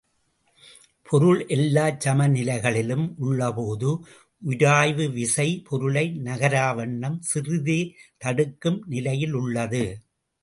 பொருள் எல்லாச் சமநிலைகளிலும் உள்ளபோது, உராய்வுவிசை பொருளை நகரா வண்ணம் சிறிதே தடுக்கும் நிலையிலுள்ளது.